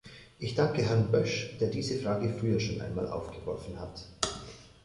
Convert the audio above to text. Ich danke Herrn Bösch, der diese Frage früher schon einmal aufgeworfen hat.